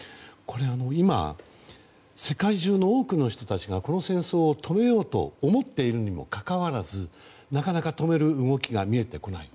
今、世界中の多くの人たちがこの戦争を止めようと思っているにもかかわらずなかなか止める動きが見えてこない。